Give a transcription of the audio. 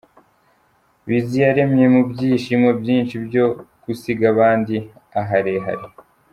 Biziyaremye mu byishimo byinshi byo gusiga abandi aharehare.